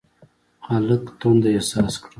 هلک تنده احساس کړه.